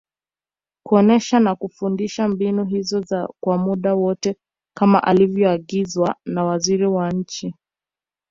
kuonesha na kufundisha mbinu hizo kwa muda wote kama ilivyoagizwa na Waziri wa Nchi